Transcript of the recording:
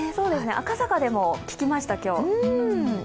赤坂でも聞きました、今日。